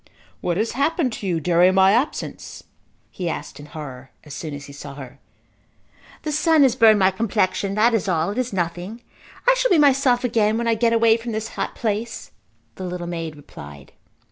"What has happened to you during my absence" he asked in horror as soon as he saw her. "The sun has burned my complexion. That is all. It is nothing. I shall be myself again when I get away from this hot place," the little maid replied.